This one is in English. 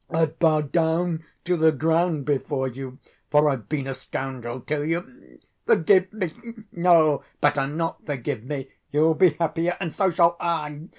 I bow down to the ground before you, for I've been a scoundrel to you. Forgive me! No, better not forgive me, you'll be happier and so shall I!